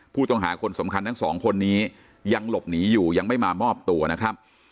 ผู้ต้องหาคนสำคัญทั้งสองคนนี้ยังหลบหนีอยู่ยังไม่มามอบตัวนะครับ